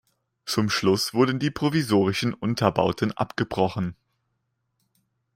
Zum Schluss wurden die provisorischen Unterbauten abgebrochen.